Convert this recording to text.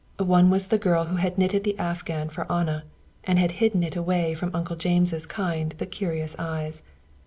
One was the girl who had knitted the afghan for Anna, and had hidden it away from Uncle James' kind but curious eyes.